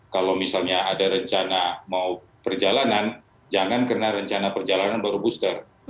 kalau misalnya ada rencana mau perjalanan jangan kena rencana perjalanan baru booster